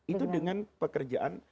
itu dengan pekerjaan